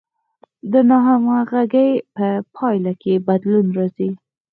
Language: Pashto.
د ناهمغږۍ په پایله کې بدلون راځي.